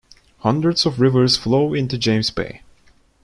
Hundreds of rivers flow into James Bay.